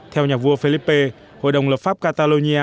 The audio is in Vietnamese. theo nhà vua felipe hội đồng lập pháp catalonia